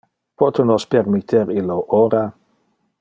Pote nos permitter illo ora?